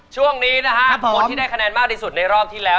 ช่วงนี้นะฮะคนที่ได้คะแนนมากที่สุดในรอบที่แล้ว